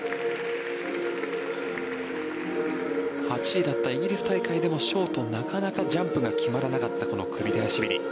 ８位だったイギリス大会でもショート、なかなかジャンプが決まらなかったこのクビテラシビリ。